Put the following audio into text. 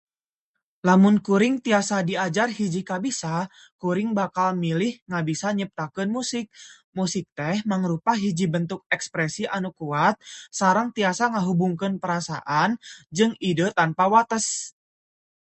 Lamun kuring tiasa diajar hiji kabisa, kuring bakal milih kabisa nyiptakeun musik. Musik teh mangrupa hiji bentuk ekspresi anu kuat sareng tiasa ngahubungkeun perasaan jeung ide tanpa wates.